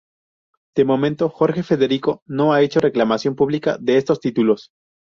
De momento, Jorge Federico no ha hecho reclamación pública de estos títulos.